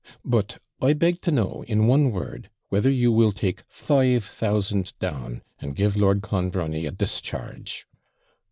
But I beg to know, in one word, whether you will take five thousand down, and GIVE Lord Clonbrony a discharge?'